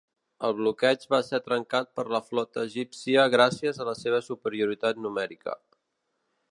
El bloqueig va ser trencat per la flota egípcia gràcies a la seva superioritat numèrica.